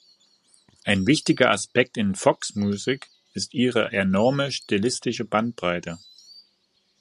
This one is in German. Ein wichtiger Aspekt in Fox' Musik ist ihre enorme stilistische Bandbreite.